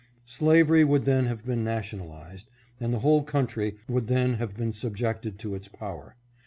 Slavery would then have been nationalized, and the whole country would then have been subjected to its power.